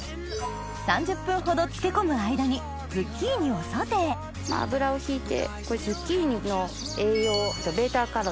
３０分ほど漬け込む間にズッキーニをソテー油を引いて。